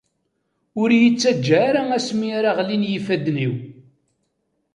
Ur iyi-ttaǧǧa ara Asmi ara ɣlin yifadden-iw.